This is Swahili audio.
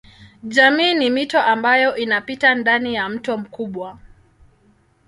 Jamii ni mito ambayo inapita ndani ya mto mkubwa.